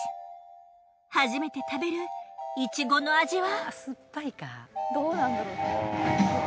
初めて食べるイチゴの味は。